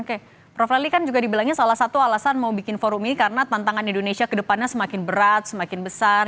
oke prof rally kan juga dibilangnya salah satu alasan mau bikin forum ini karena tantangan indonesia kedepannya semakin berat semakin besar